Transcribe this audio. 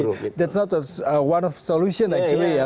itu bukan salah satu solusi sebenarnya ya